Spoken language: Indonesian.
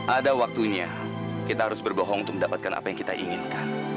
ada waktunya kita harus berbohong untuk mendapatkan apa yang kita inginkan